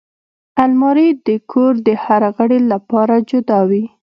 الماري د کور د هر غړي لپاره جدا وي